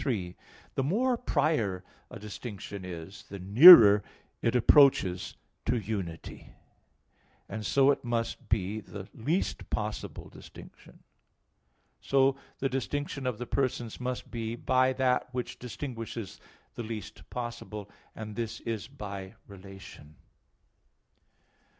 3: The more prior a distinction is, the nearer it approaches to unity; and so it must be the least possible distinction. So the distinction of the persons must be by that which distinguishes the least possible; and this is by relation.